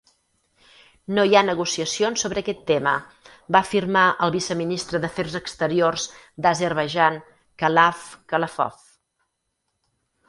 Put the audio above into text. No hi ha negociacions sobre aquest tema, va afirmar el viceministre d'afers exteriors d'Azerbaidjan, Khalaf Khalafov.